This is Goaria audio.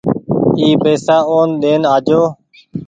اي پئيسا اون ۮين آجو ۔